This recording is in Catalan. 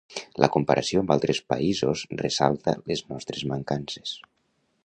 La comparació amb altres països ressalta les nostres mancances.